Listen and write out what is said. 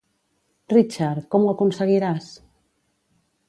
Richard, com ho aconseguiràs?